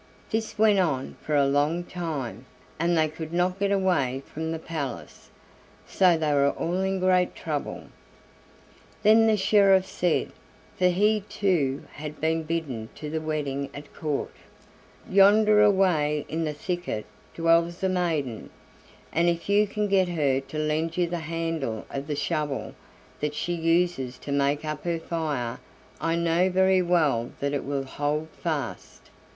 This went on for a long time, and they could not get away from the palace, so they were all in great trouble. Then the sheriff said (for he too had been bidden to the wedding at Court): "Yonder away in the thicket dwells a maiden, and if you can get her to lend you the handle of the shovel that she uses to make up her fire I know very well that it will hold fast."